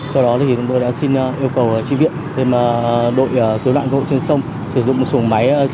cho đó thì tôi đã xin yêu cầu trí viện thêm đội cứu đoạn cứu hộ trên sông sử dụng một xuồng máy